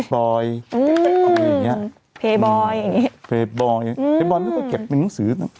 ไฟบอลมันก็เก็บเป็นหนังสือ